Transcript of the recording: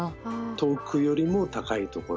遠くよりも高いところ。